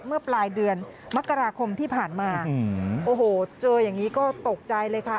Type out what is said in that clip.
เมื่อปลายเดือนมกราคมที่ผ่านมาโอ้โหเจออย่างนี้ก็ตกใจเลยค่ะ